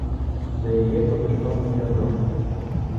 Да яе падышоў невядомы.